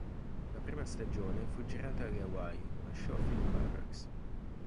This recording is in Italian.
La prima stagione fu girata alle Hawaii, a Schofield Barracks.